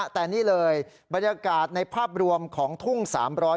แต่นี่เลยบรรยากาศในภาพรวมของทุ่งสามร้อยยอด